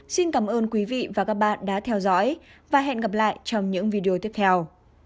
xin cảm ơn quý vị và các bạn đã theo dõi và hẹn gặp lại trong những video tiếp theo